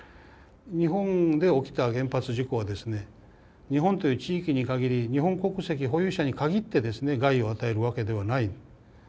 日本で起きた原発事故はですね日本という地域に限り日本国籍保有者に限ってですね害を与えるわけではない。